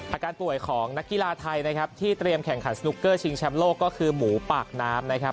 อาการป่วยของนักกีฬาไทยนะครับที่เตรียมแข่งขันสนุกเกอร์ชิงแชมป์โลกก็คือหมูปากน้ำนะครับ